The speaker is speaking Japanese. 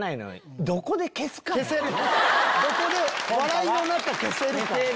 どこで笑いの中消せるか。